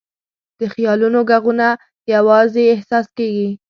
د خیالونو ږغونه یواځې احساس کېږي.